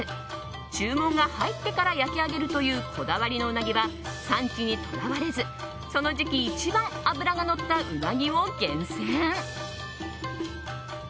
注文が入ってから焼き上げるというこだわりのうなぎは産地にとらわれずこの時期一番脂ののったうなぎを厳選。